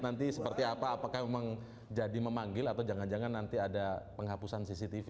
nanti seperti apa apakah memang jadi memanggil atau jangan jangan nanti ada penghapusan cctv